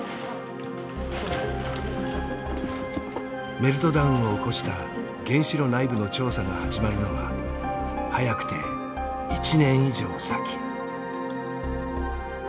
メルトダウンを起こした原子炉内部の調査が始まるのは早くて１年以上先。